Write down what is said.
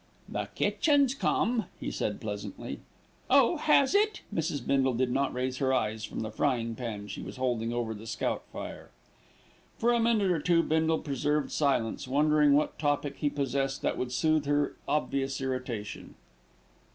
"The kitchen's come," he said pleasantly. "Oh, has it?" Mrs. Bindle did not raise her eyes from the frying pan she was holding over the scout fire. For a minute or two Bindle preserved silence, wondering what topic he possessed that would soothe her obvious irritation.